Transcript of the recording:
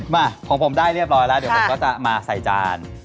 มาของผมได้เรียบร้อยแล้วเดี๋ยวผมก็จะมาใส่จาน